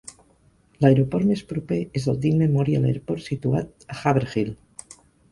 L'aeroport més proper és el Dean Memorial Airport situat a Haverhill.